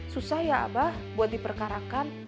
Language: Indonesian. susah ya abah buat diperkarakan